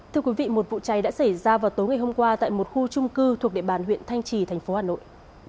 thưa quý vị một vụ cháy đã xảy ra vào tối ngày hôm qua tại một khu trung cư thuộc địa bàn huyện thanh trì thành phố hà nội